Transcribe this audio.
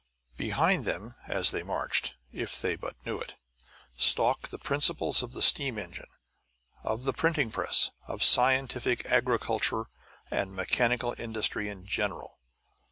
Behind them as they marched, if they but knew it, stalked the principles of the steam engine, of the printing press, of scientific agriculture and mechanical industry in general.